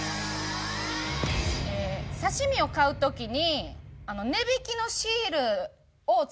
刺し身を買う時に。